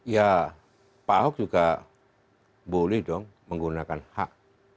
ya pak ahok juga boleh dong menggunakan hak